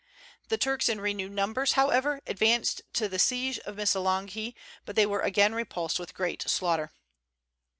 The Turks in renewed numbers, however, advanced to the siege of Missolonghi; but they were again repulsed with great slaughter.